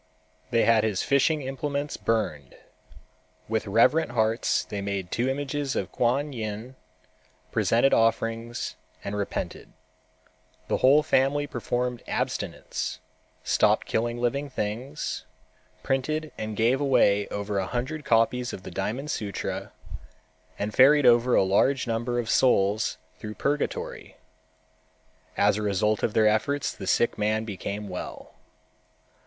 They had his fishing implements burned. With reverent hearts they made two images of Kuan Yin, presented offerings and repented. The whole family performed abstinence, stopped killing living things, printed and gave away over a hundred copies of the Diamond Sutra, and ferried over a large number of souls through purgatory. As a result of their efforts the sick man became well.